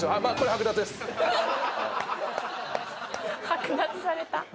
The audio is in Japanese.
剥奪された。